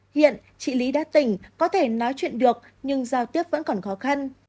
hiện chị lý đã tỉnh có thể nói chuyện được nhưng giao tiếp vẫn còn khó khăn